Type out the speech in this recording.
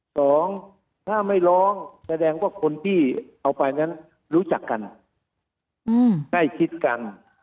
สองถ้าไม่ร้องแสดงว่าคนที่เอาไปนั้นรู้จักกันใกล้ชิดกัน